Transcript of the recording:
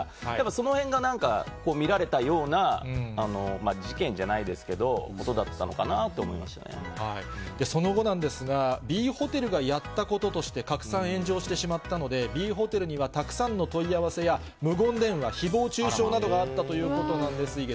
そのへんがなんか、見られたような事件じゃないですけど、その後なんですが、Ｂホテルがやったこととして、拡散、炎上してしまったので、Ｂホテルにはたくさんの問い合わせや、無言電話、ひぼう中傷などがあったということなんです。